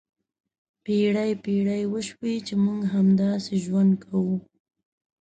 پېړۍ پېړۍ وشوې چې موږ همداسې ژوند کوو.